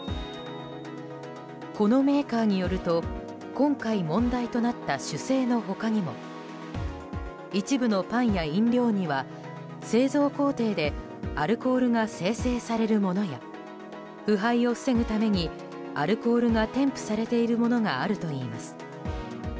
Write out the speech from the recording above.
このメーカーによると今回問題となった酒精の他にも一部のパンや飲料には製造工程でアルコールが生成されるものや腐敗を防ぐために、アルコールが添付されているものがあるといいます。